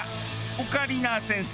オカリナ先生